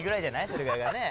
それぐらいがね。